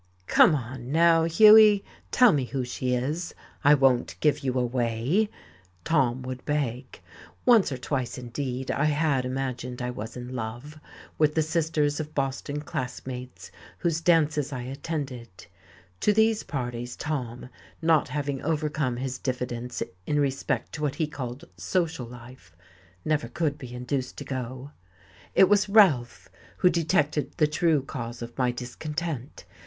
"Come on now, Hughie tell me who she is. I won't give you away," Tom would beg. Once or twice, indeed, I had imagined I was in love with the sisters of Boston classmates whose dances I attended; to these parties Tom, not having overcome his diffidence in respect to what he called "social life," never could be induced to go. It was Ralph who detected the true cause of my discontent.